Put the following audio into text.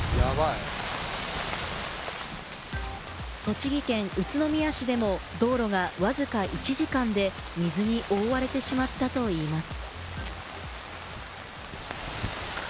栃木県宇都宮市でも、道路がわずか１時間で水に覆われてしまったといいます。